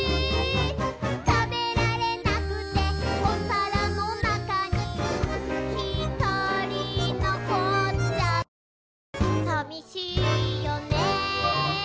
「たべられなくて」「ルールー」「おさらのなかに」「ルールー」「ひとりのこっちゃったら」「さみしいよね」